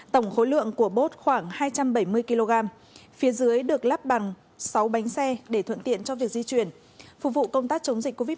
tổng khối lượng của bốt khoảng hai trăm bảy mươi kg phía dưới được lắp bằng sáu bánh xe để thuận tiện cho việc di chuyển phục vụ công tác chống dịch covid một mươi chín